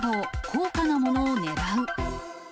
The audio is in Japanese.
高価なものを狙う。